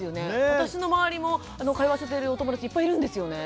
私の周りも通わせているお友達いっぱいいるんですよね。